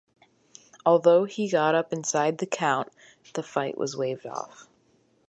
Although he got up inside the count, the fight was waved off.